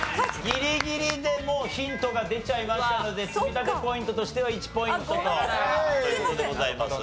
ギリギリでもうヒントが出ちゃいましたので積み立てポイントとしては１ポイントという事でございます。